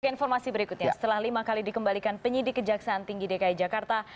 keinformasi berikutnya setelah lima kali dikembalikan penyidik kejaksaan tinggi dki jakarta